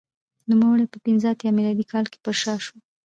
نوموړی په پنځه اتیا میلادي کال کې پرشا شو